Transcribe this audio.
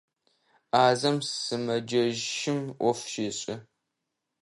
Ӏазэм сымэджэщым ӏоф щешӏэ.